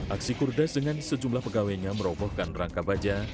aksi kurdas dengan sejumlah pegawainya merobohkan rangka baja